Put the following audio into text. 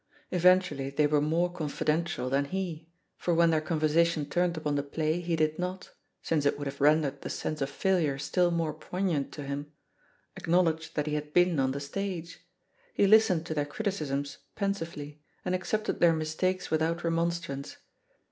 Eventually they were more con fidential than he, for when their conversation turned upon the play, he did not — ^since it would have rendered the sense of failure still more poignant to him — ^acknowledge that he had been on the stage. He listened to their criticisms pen sively, and accepted their mistakes without re monstrance.